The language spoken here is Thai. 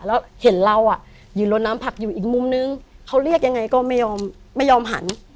แล้วเห็นเราอ่ะยืนรถน้ำผักอยู่อีกมุมนึงเขาเรียกยังไงก็ไม่ยอมไม่ยอมหัน